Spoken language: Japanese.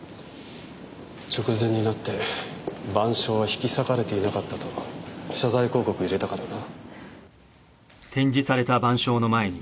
直前になって『晩鐘』は引き裂かれていなかったと謝罪広告を入れたからな。